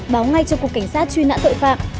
báo ngay cho cục cảnh sát truy nã tội phạm